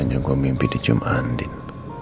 ini yang gue mimpi di jum'an din